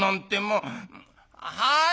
はい！